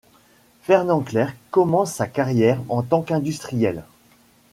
Fernand Clerc commence sa carrière en tant qu'industriel.